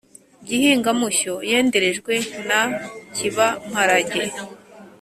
gihinga-mushyo yenderejwe na cyiba-mparage.